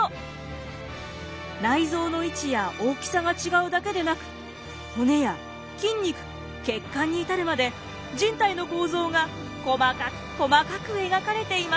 内臓の位置や大きさが違うだけでなく骨や筋肉血管に至るまで人体の構造が細かく細かく描かれていました。